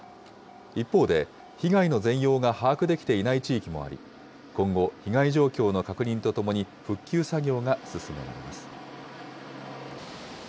一方で、被害の全容が把握できていない地域もあり、今後、被害状況の確認とともに復旧作業が進められます。